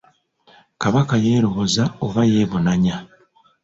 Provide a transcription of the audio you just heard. Kabaka yeeroboza oba yeebonanya.